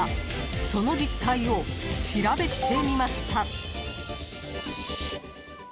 その実態を、調べてみました。